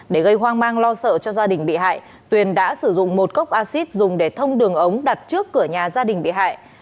để gây hoang mang lo sợ cho gia đình bị hại tuyền đã sử dụng một cốc acid dùng để thông đường ống đặt trước cửa nhà gia đình bị hại